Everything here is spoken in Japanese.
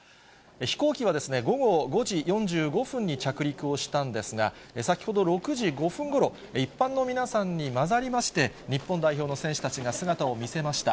飛行機は午後５時４５分に着陸をしたんですが、先ほど６時５分ごろ、一般の皆さんに交ざりまして、日本代表の選手たちが姿を見せました。